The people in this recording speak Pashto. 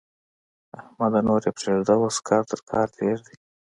احمده! نور يې پرېږده؛ اوس کار تر کار تېر دی.